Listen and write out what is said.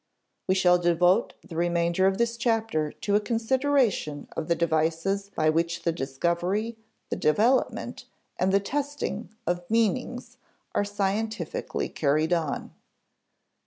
We shall devote the remainder of this chapter to a consideration of the devices by which the discovery, the development, and the testing of meanings are scientifically carried on.